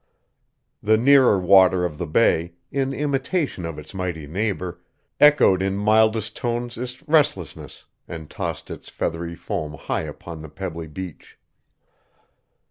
The nearer water of the bay, in imitation of its mighty neighbor, echoed in mildest tones its restlessness, and tossed its feathery foam high upon the pebbly beach.